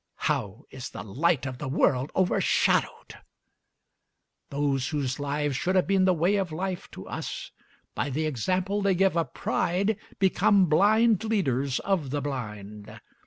How is the light of the world overshadowed! Those whose lives should have been the way of life to us, by the example they give of pride, become blind leaders of the blind.